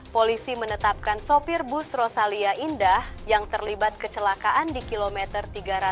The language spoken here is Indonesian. polisi menetapkan sopir bus rosalia indah yang terlibat kecelakaan di kilometer tiga ratus